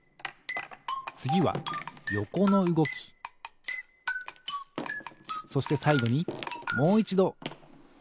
つぎはよこのうごきそしてさいごにもういちどたてのうごき。